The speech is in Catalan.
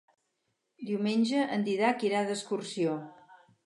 Diumenge en Dídac irà d'excursió.